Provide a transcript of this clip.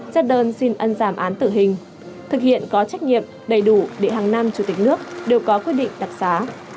xét đơn xin ân giảm án tử hình thực hiện có trách nhiệm đầy đủ để hàng năm chủ tịch nước đều có quyết định đặc xá